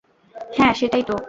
হ্যাঁ, সেটাই তো!